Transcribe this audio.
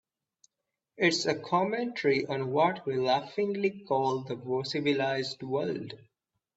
It's a commentary on what we laughingly call the civilized world.